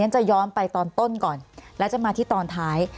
จะย้อนไปตอนต้นก่อนและจะมาที่ตอนท้าย